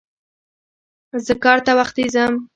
زه کار ته وختي ځم.